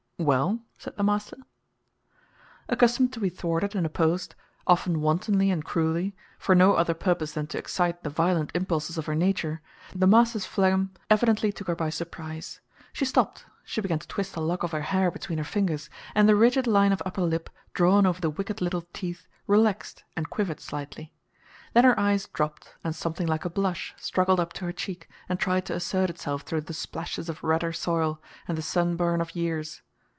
"Well?" said the master. Accustomed to be thwarted and opposed, often wantonly and cruelly, for no other purpose than to excite the violent impulses of her nature, the master's phlegm evidently took her by surprise. She stopped; she began to twist a lock of her hair between her fingers; and the rigid line of upper lip, drawn over the wicked little teeth, relaxed and quivered slightly. Then her eyes dropped, and something like a blush struggled up to her cheek and tried to assert itself through the splashes of redder soil, and the sunburn of years.